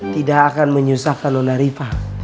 tidak akan menyusahkan nona riva